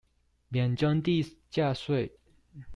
免徵地價稅